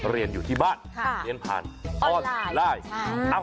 เรียนอยู่ที่บ้านเรียนผ่านออนไลน์